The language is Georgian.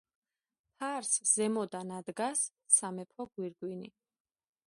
ფარს ზემოდან ადგას სამეფო გვირგვინი.